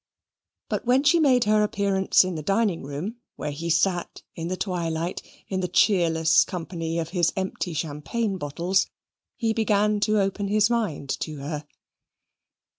But when she made her appearance in the dining room, where he sate in the twilight in the cheerless company of his empty champagne bottles, he began to open his mind to her.